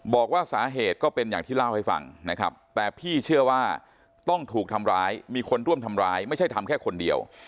บอกว่าสาเหตุก็เป็นอย่างที่เล่าให้ฟังนะครับแต่พี่เชื่อว่าต้องถูกทำร้ายมีคนร่วมทำร้ายไม่ใช่ทำแค่คนเดียว